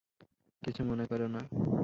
কিছু মনে করোনা।